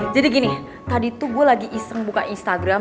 jadi gini tadi tuh gue lagi iseng buka instagram